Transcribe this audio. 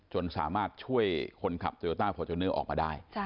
จนสามารถช่วยคนขับโจโยต้าโผจรเนื้อออกมาได้